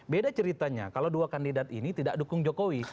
beda ceritanya kalau dua kandidat ini tidak dukung jokowi